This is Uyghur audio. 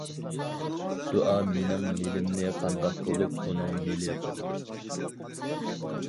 دۇئا مېنىڭ مېلىمنى قانداق بولۇپ ئۇنىڭ مېلى قىلىدۇ؟ .